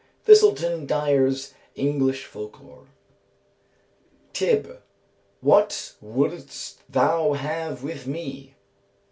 THISELTON DYER'S English Folk lore. "TYB. What wouldst thou have with me?